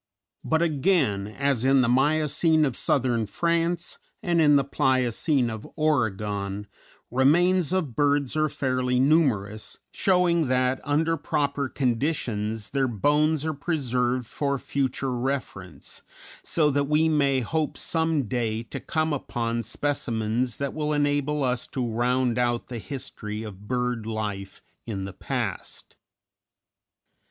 But, again, as in the Miocene of Southern France and in the Pliocene of Oregon, remains of birds are fairly numerous, showing that, under proper conditions, their bones are preserved for future reference, so that we may hope some day to come upon specimens that will enable us to round out the history of bird life in the past.